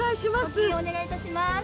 募金お願いいたします。